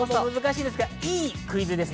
いいクイズです。